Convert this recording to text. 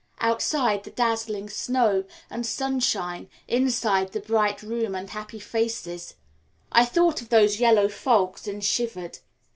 Outside the dazzling snow and sunshine, inside the bright room and happy faces I thought of those yellow fogs and shivered.